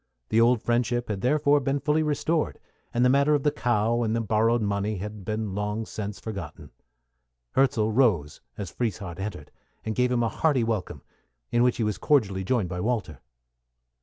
The old friendship had therefore been fully restored, and the affair of the cow and the borrowed money had been long since forgotten. Hirzel rose as Frieshardt entered, and gave him a hearty welcome, in which he was cordially joined by Walter.